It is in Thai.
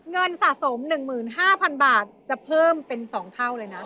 เงินสะสม๑๕๐๐๐บาทจะเพิ่มเป็น๒เท่าเลยนะ